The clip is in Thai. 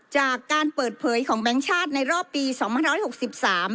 จากการเปิดเผยของแบงค์ชาติในรอบปีสองพันร้อยหกสิบสาม